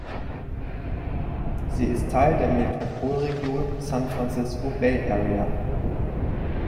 Sie ist Teil der Metropolregion San Francisco Bay Area.